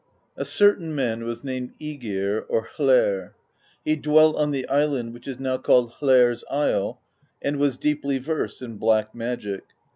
A certain man was named iEgir, or Hler. He dwelt on the island which is now called Hler's Isle,^ and was deeply versed in black magic.